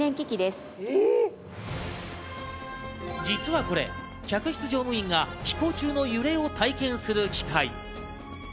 実はこれ、客室乗務員が飛行中の揺れを体験する機械。